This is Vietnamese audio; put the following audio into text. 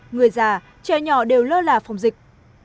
người già trẻ nhỏ đều lơ là phòng dịch